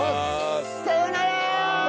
さようなら！